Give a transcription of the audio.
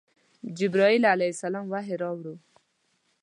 جبرائیل علیه السلام وحی راوړ.